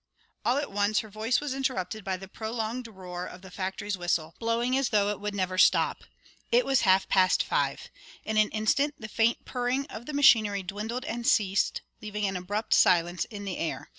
All at once her voice was interrupted by the prolonged roar of the factory's whistle, blowing as though it would never stop. It was half past five. In an instant the faint purring of the machinery dwindled and ceased, leaving an abrupt silence in the air.